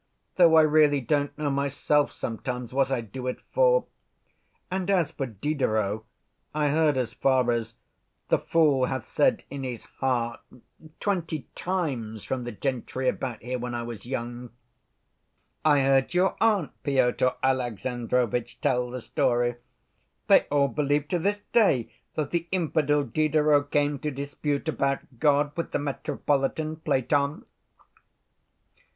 Though I really don't know myself, sometimes, what I do it for. And as for Diderot, I heard as far as 'the fool hath said in his heart' twenty times from the gentry about here when I was young. I heard your aunt, Pyotr Alexandrovitch, tell the story. They all believe to this day that the infidel Diderot came to dispute about God with the Metropolitan Platon...."